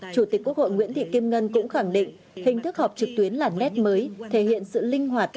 chủ tịch quốc hội nguyễn thị kim ngân cũng khẳng định hình thức họp trực tuyến là nét mới thể hiện sự linh hoạt